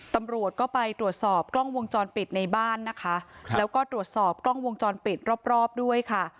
ตำรวจก็ไปตรวจสอบกล้องวงจรปิดในบ้านนะคะแล้วก็ตรวจสอบกล้องวงจรปิดรอบรอบด้วยค่ะ